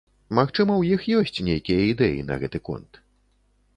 Магчыма, у іх ёсць нейкія ідэі на гэты конт.